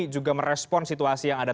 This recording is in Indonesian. juga merespon situasi yang ada